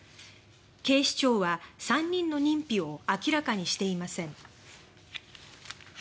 警視庁は３人の認否を明らかにしていません。